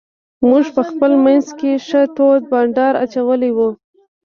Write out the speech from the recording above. موږ په خپل منځ کې ښه تود بانډار اچولی وو.